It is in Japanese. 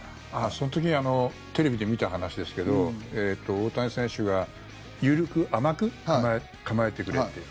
その時テレビで見た話ですけど大谷選手が甘く構えてくれって。